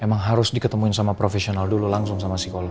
emang harus diketemuin sama profesional dulu langsung sama psikolog